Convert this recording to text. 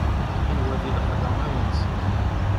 Inwa di lexla ay nsiɣ.